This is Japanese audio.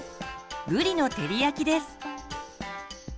「ぶりの照り焼き」です。